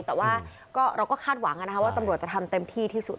แต่ว่าเราก็คาดหวังว่าตำรวจจะทำเต็มที่ที่สุด